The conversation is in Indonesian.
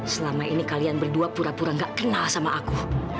selama ini kalian berdua pura pura gak kenal sama aku